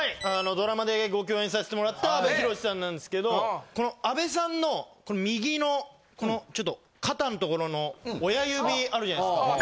ドラマでご共演させてもらった阿部寛さんなんですけど、この阿部さんの右のこのちょっと肩の所の親指あるじゃないですか。